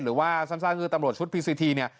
หรือว่าสร้างคือตำรวจชุดพีซีที